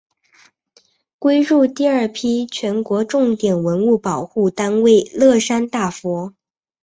归入第二批全国重点文物保护单位乐山大佛。